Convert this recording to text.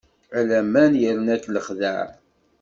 A laman yerna-k lexdeɛ.